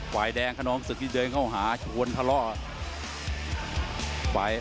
ฝ่ายแดงขนองศึกที่เดินเข้าหาชวนทะเลาะ